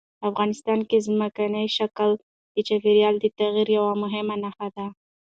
افغانستان کې ځمکنی شکل د چاپېریال د تغیر یوه مهمه نښه ده.